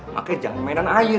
makanya jangan mainan air